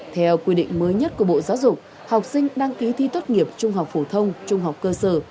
theo quy định mới nhất của bộ giáo dục học sinh đăng ký thi tốt nghiệp trung học phổ thông trung học cơ sở